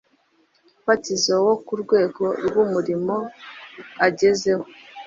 fatizo wo ku rwego rw’umurimo agezeho.